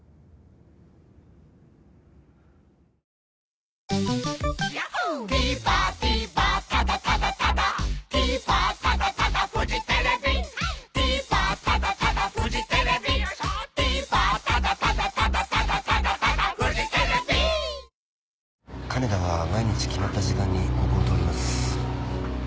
新「グリーンズフリー」金田は毎日決まった時間にここを通ります。